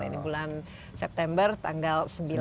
ini bulan september tanggal sembilan